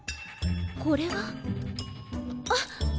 これは？あっ！